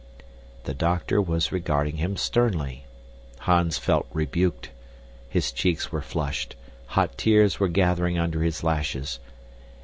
The doctor was regarding him sternly. Hans felt rebuked. His cheeks were flushed; hot tears were gathering under his lashes.